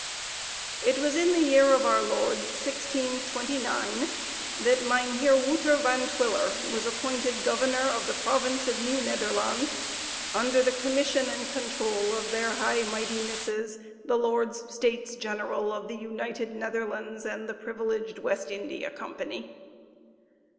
It was in the year of our Lord 1629 that Mynheer Wouter Van Twiller was appointed governor of the province of Nieuw Nederlands, under the commission and control of their High Mightinesses the Lords States General of the United Netherlands and the privileged West India Company.